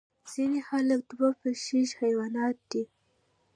ځینې خلک دوه پښیزه حیوانات دي